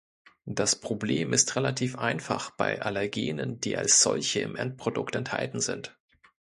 Das Problem ist relativ einfach bei Allergenen, die als solche im Endprodukt enthalten sind.